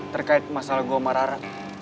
terkait masalah gue sama rara